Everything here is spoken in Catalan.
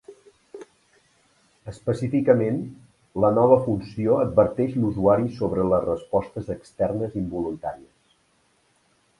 Específicament, la nova funció adverteix l’usuari sobre les respostes externes involuntàries.